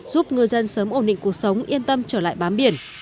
giúp ngư dân sớm ổn định cuộc sống yên tâm trở lại bám biển